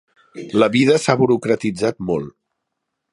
La vida s'ha burocratitzat molt.